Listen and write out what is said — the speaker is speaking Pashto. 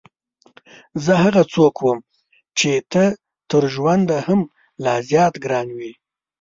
زه هغه څوک وم چې ته تر ژونده هم لا زیات ګران وې.